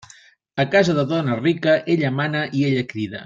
A casa de dona rica, ella mana i ella crida.